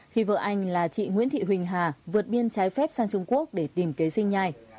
khi vợ anh là chị nguyễn thị huỳnh hà vượt biên trái phép sang trung quốc để tìm kế sinh nhai